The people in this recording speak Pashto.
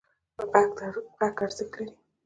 غږ ارزښت لري.